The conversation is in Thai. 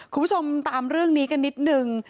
คุณผู้ชมตามเรื่องนี้กันนิดนึง